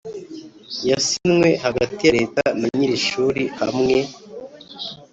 yasinywe hagati ya Leta na nyir ishuri hamwe